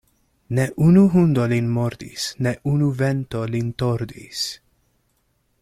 Ne unu hundo lin mordis, ne unu vento lin tordis.